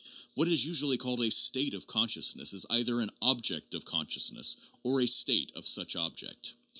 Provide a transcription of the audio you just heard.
What is usually called a state of conscious ness is either an object of consciousness or a state of such object.